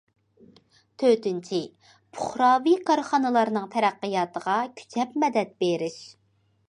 تۆتىنچى، پۇقراۋى كارخانىلارنىڭ تەرەققىياتىغا كۈچەپ مەدەت بېرىش.